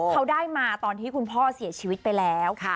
เขาได้มาตอนที่คุณพ่อเสียชีวิตไปแล้ว